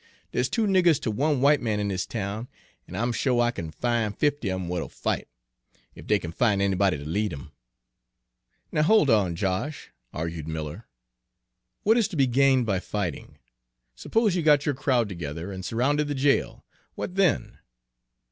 Dere's two niggers ter one white man in dis town, an' I'm sho' I kin fin' fifty of 'em w'at 'll fight, ef dey kin fin' anybody ter lead 'em." "Now hold on, Josh," argued Miller; "what is to be gained by fighting? Suppose you got your crowd together and surrounded the jail, what then?"